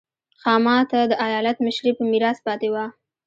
خاما ته د ایالت مشري په میراث پاتې وه.